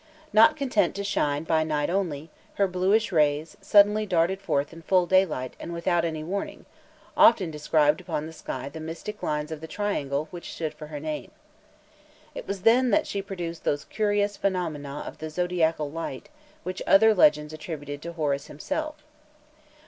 Not content to shine by night only, her bluish rays, suddenly darted forth in full daylight and without any warning, often described upon the sky the mystic lines of the triangle which stood for her name. It was then that she produced those curious phenomena of the zodiacal light which other legends attributed to Horus himself.